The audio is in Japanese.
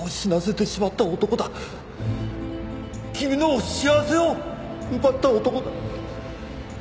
君の幸せを奪った男だ。